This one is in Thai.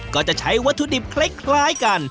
ก็จะใช้วัตถุดิบคล้ายกัน